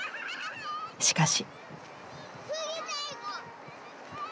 しかし。